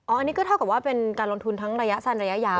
อันนี้ก็เท่ากับว่าเป็นการลงทุนทั้งระยะสั้นระยะยาว